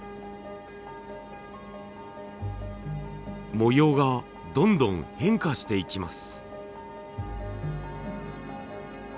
模様がどんどん変化していきます。